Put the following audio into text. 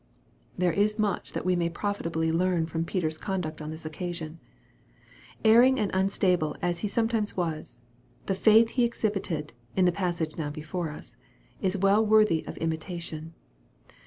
There is much that we may profitably learn from Peter's conduct on this occasion. Erring and unstable as he sometimes was the faith he exhibited, in the passage now before us, is well worthy of imitation.